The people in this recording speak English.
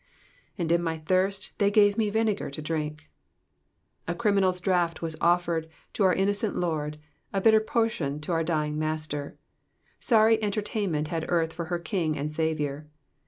''^And in my thirst they gave me vinegar to drinh.''^ A criminaVs draught was offered to our innocent Lord, a bitter portion to our dying Master. Sorry entertainment had earth for her King and Saviour.